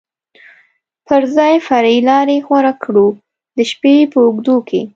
پر ځای فرعي لارې غوره کړو، د شپې په اوږدو کې.